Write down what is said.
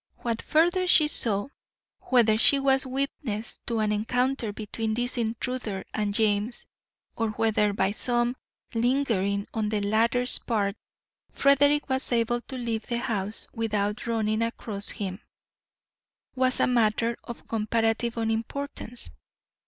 What further she saw, whether she was witness to an encounter between this intruder and James, or whether by some lingering on the latter's part Frederick was able to leave the house without running across him, was a matter of comparative unimportance.